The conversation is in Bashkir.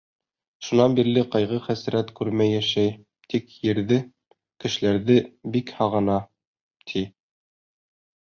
Шунан бирле ҡайғы-хәсрәт күрмәй йәшәй, тик ерҙе, кешеләрҙе бик һағына, ти...